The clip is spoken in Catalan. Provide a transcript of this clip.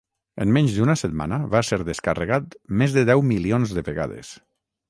En menys d'una setmana va ser descarregat més de deu milions de vegades.